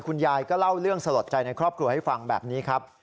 คุณยายก็เล่าเรื่องสลดใจในครอบครัวให้ฟังแบบนี้ครับ